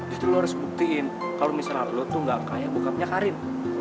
itu lo harus buktiin kalau misalnya lo tuh gak kayak bokapnya karin